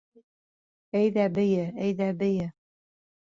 Әйҙә бейе, әйҙә бейе